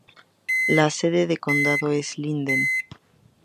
La sede de condado es Linden.